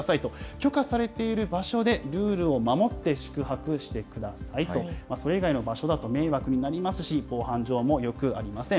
許可されている場所で、ルールを守って宿泊してくださいと、それ以外の場所だと迷惑になりますし、防犯上もよくありません。